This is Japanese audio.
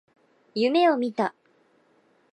夢を見た。